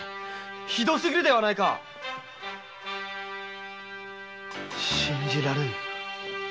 ひどすぎるではないか‼信じられぬ。